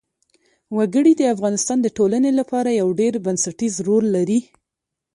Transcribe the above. وګړي د افغانستان د ټولنې لپاره یو ډېر بنسټيز رول لري.